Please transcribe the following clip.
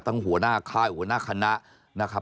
หัวหน้าค่ายหัวหน้าคณะนะครับ